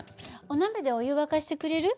お鍋でお湯沸かしてくれる？